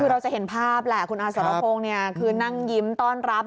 คือเราจะเห็นภาพแหละคุณอาสรพงศ์คือนั่งยิ้มต้อนรับ